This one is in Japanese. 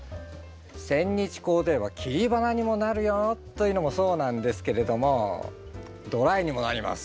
センニチコウでは切り花にもなるよというのもそうなんですけれどもドライにもなります。